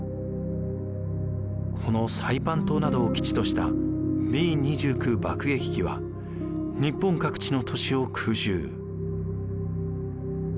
このサイパン島などを基地としたＢ２９爆撃機は日本各地の都市を空襲。